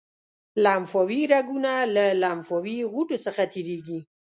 لمفاوي رګونه له لمفاوي غوټو څخه تیریږي.